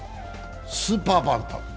スーパーバンタム。